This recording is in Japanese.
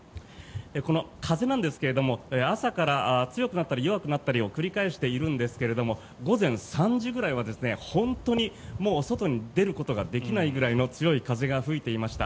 この風なんですけども朝から強くなったり弱くなったりを繰り返しているんですけれど午前３時ぐらいは本当に外に出ることができないくらいの強い風が吹いていました。